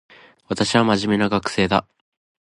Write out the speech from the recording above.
私は真面目な学生だ